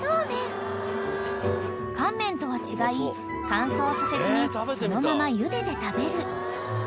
［乾麺とは違い乾燥させずにそのままゆでて食べる］